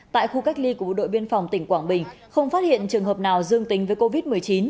tại khu cách ly của bộ đội biên phòng tỉnh quảng bình không phát hiện trường hợp nào dương tính với covid một mươi chín